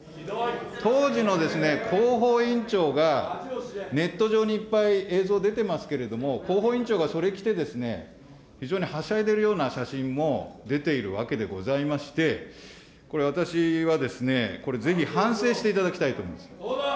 当時の広報委員長が、ネット上にいっぱい映像出てますけれども、広報委員長がそれ着てですね、非常にはしゃいでるような写真も出ているわけでございまして、これ、私はですね、ぜひ反省していただきたいと思うんです。